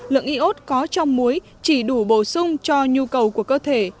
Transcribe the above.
lượng y ốt có trong muối chỉ đủ bổ sung cho nhu cầu của cơ thể